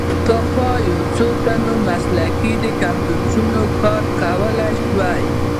پخوا یوازې څو تنو مسلکي کمپوزرانو دا کار کولای شو.